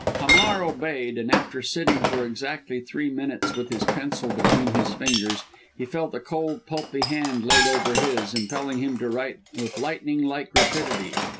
Hamar obeyed, and after sitting for exactly three minutes with his pencil between his fingers, he felt a cold, pulpy hand laid over his, impelling him to write with lightning like rapidity.